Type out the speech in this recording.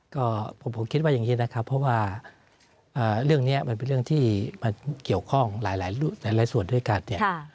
ก็ผมคิดว่าอย่างนี้นะครับเพราะว่าเรื่องนี้มันเป็นเรื่องที่มันเกี่ยวข้องหลายส่วนด้วยกันเนี่ย